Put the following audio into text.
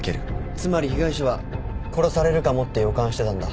つまり被害者は殺されるかもって予感してたんだ。